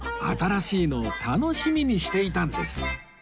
新しいのを楽しみにしていたんです